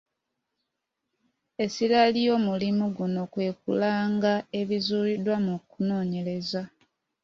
Essira ly'omulimu guno kwe kulanga ebizuuliddwa mu kunoonyereza.